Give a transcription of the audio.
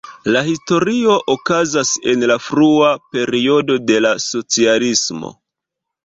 La historio okazas en la frua periodo de la socialismo.